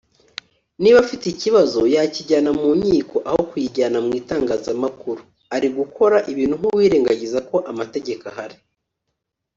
niba afite ikibazo yakijyana mu nkiko aho kuyijyana mu itangazamakuru; ari gukora ibintu nk’uwirengagiza ko amategeko ahari